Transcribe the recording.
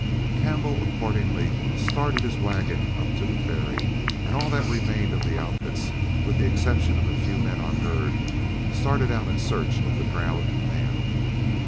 Campbell accordingly started his wagon up to the ferry, and all the remainder of the outfits, with the exception of a few men on herd, started out in search of the drowned man.